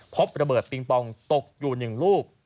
พบระเบิดปิงปองตกอยู่๑ลูก